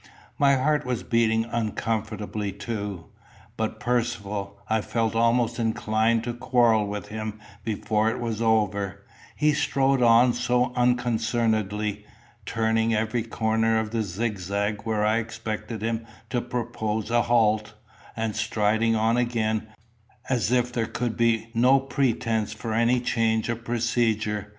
My heart was beating uncomfortably too. But Percivale, I felt almost inclined to quarrel with him before it was over, he strode on so unconcernedly, turning every corner of the zigzag where I expected him to propose a halt, and striding on again, as if there could be no pretence for any change of procedure.